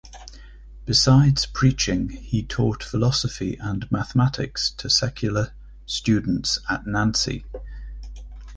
Besides preaching, he taught philosophy and mathematics to secular students at Nancy.